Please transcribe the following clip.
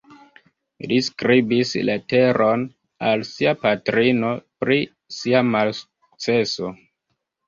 Li skribis leteron al sia patrino, pri sia malsukceso.